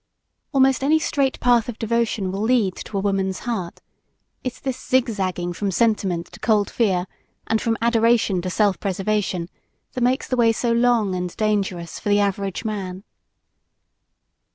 Almost any straight path of devotion will lead to a woman's heart. It's this zigzagging from sentiment to cold fear and from adoration to self preservation, that makes the way so long and dangerous for the average man.